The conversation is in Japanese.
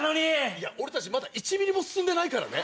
いや俺たちまだ１ミリも進んでないからね。